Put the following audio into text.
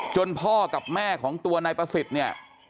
พ่อกับแม่ของตัวนายประสิทธิ์เนี่ย